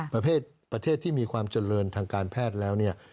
ประเทศที่มีความเจริญทางการแพทย์แล้วเนี่ย